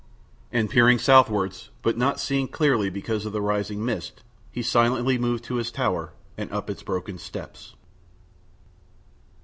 And peering southwards, but not seeing clearly because of the rising mist, he silently moved to his tower and up its broken steps.